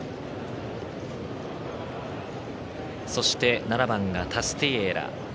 そして、７番がタスティエーラ。